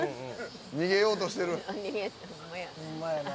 逃げようとしてる。